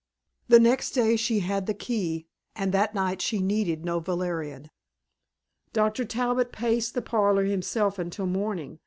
The next day she had the key and that night she needed no valerian. Doctor Talbot paced the parlor himself until morning.